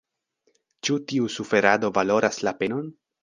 Ĉu tiu suferado valoras la penon?